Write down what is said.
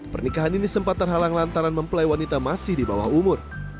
pernikahan ini sempat terhalang lantaran mempelai wanita masih di bawah umur